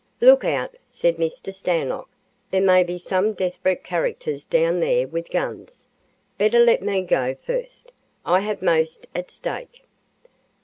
"Look out," said Mr. Stanlock. "There may be some desperate characters down there with guns. Better let me go first I have most at stake."